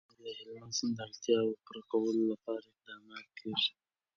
په افغانستان کې د هلمند سیند د اړتیاوو پوره کولو لپاره اقدامات کېږي.